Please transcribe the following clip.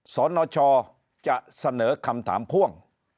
สนชจะเสนอคำถามพ่วง